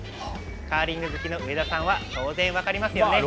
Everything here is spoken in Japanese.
カーリング好きの上田さんは、当然分かりますよね？